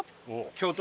京都。